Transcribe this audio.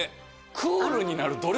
クールになる努力？